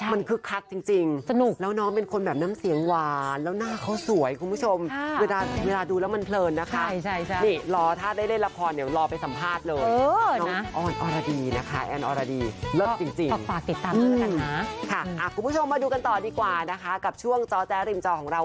มันคึกคลับจริงแล้วน้องเป็นคนน้ำเสียงแบบหวานแล้วหน้าเขาสวย